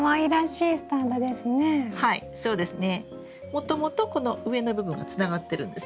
もともとこの上の部分がつながってるんですね。